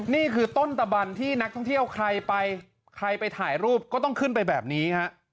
นี่คือต้นตะบันที่นักท่องเที่ยวใครไปใครไปถ่ายรูปก็ต้องขึ้นไปแบบนี้ฮะ